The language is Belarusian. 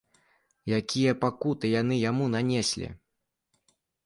Якія пакуты яны яму нанеслі?